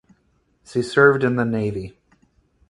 She served in the Navy.